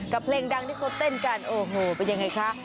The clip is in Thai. เพลงดังที่เขาเต้นกันโอ้โหเป็นยังไงคะ